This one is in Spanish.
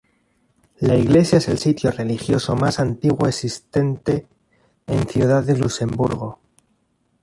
La iglesia es el sitio religioso más antiguo existente en Ciudad de Luxemburgo.